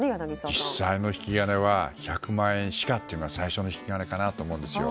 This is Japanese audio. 実際の引き金は１００万円しかというのが最初の引き金かなと思うんです。